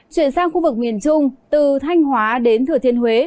chuyển sang khu vực miền trung từ thanh hóa đến thừa thiên huế